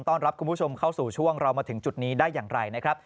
รับคุณผู้ชมเข้าสู่ช่วงเรามาถึงจุดนี้ได้อย่างไรนะครับ